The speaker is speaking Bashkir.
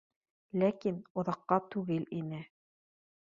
Ләкин оҙаҡҡа түгел ине